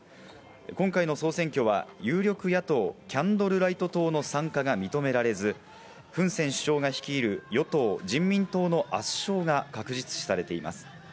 今回の総選挙は有力野党キャンドルライト党の参加が認められず、フン・セン首相が率いる与党自民党の圧勝が確実視されています。